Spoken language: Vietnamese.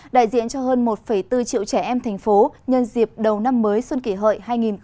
đại diện cho hơn một bốn triệu trẻ em thành phố nhân dịp đầu năm mới xuân kỷ hợi hai nghìn một mươi chín